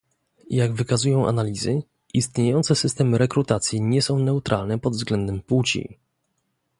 Jak wykazują analizy, istniejące systemy rekrutacji nie są neutralne pod względem płci